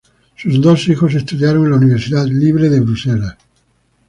Sus dos hijos estudiaron en la Universidad Libre de Bruselas.